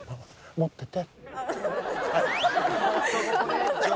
「持ってて」。